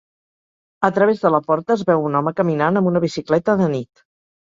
A través de la porta es veu un home caminant amb una bicicleta de nit.